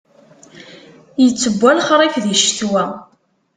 Ittewwa lexṛif di ccetwa.